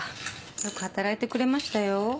よく働いてくれましたよ。